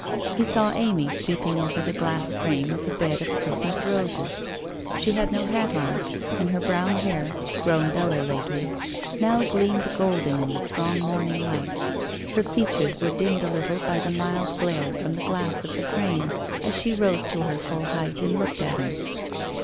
He saw Amy stooping over the glass frame of a bed of Christmas roses. She had no hat on, and her brown hair, grown duller lately, now gleamed golden in the strong morning light. Her features were dimmed a little by the mild glare from the glass of the frame as she rose to her full height and looked at him.